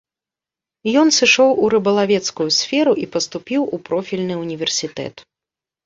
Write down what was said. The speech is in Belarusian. Ён сышоў у рыбалавецкую сферу і паступіў у профільны ўніверсітэт.